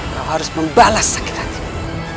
kau harus membalas sakit hatimu